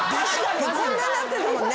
こんなんなってたもんね。